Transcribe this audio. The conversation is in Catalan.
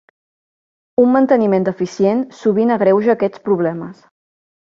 Un manteniment deficient sovint agreuja aquests problemes.